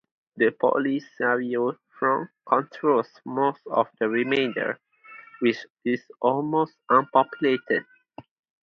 The Polisario Front controls most of the remainder, which is almost unpopulated.